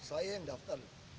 saya yang daftar